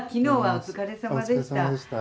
お疲れさまでした。